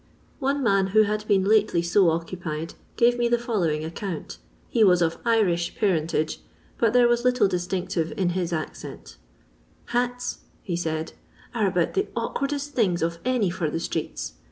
One man who had been lately so occupied, gave me the following account. He was of Irish parentage, but there was little distinctive in his accent :—" Hats," he said, " are about the awkwardest things of any for the streets.